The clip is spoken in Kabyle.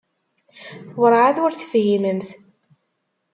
Werɛad ur tefhimemt.